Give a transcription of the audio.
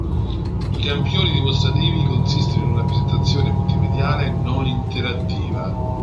I campioni dimostrativi consistono in una presentazione multimediale non interattiva.